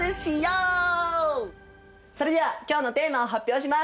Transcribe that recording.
それでは今日のテーマを発表します！